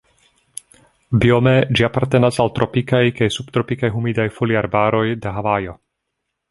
Biome ĝi apartenas al tropikaj kaj subtropikaj humidaj foliarbaroj de Havajo.